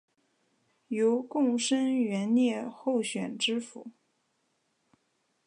由贡生援例候选知州。